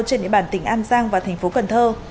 trên địa bàn tỉnh an giang và thành phố cần thơ